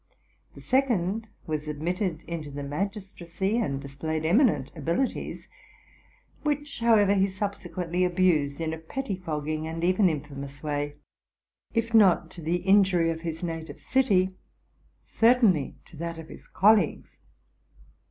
The second was admitted into the magistracy, and displayed eminent abilities, which, however, he subsequently abused in a pettifogging and even infamous way, if not to the i injury of his native city, certainly to that of his colleagues.